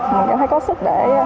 mình cảm thấy có sức để